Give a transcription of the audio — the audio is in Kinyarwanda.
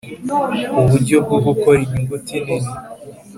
Uburyo bwo gukora inyuguti nini